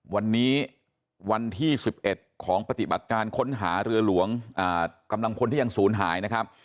วันนี้วันที่๑๑ของปฏิบัติการค้นหาเรือหลวงกำลังพลที่ยังศูนย์หายนะครับ